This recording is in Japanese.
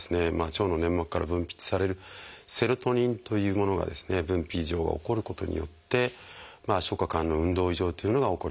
腸の粘膜から分泌されるセロトニンというものが分泌異常が起こることによって消化管の運動異常というのが起こります。